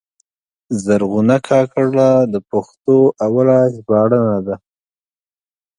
زرغونه کاکړه د پښتو اوله ژباړنه ده.